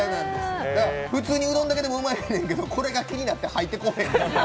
普通にうどんもうまいんやけど、これが気になって入ってこない。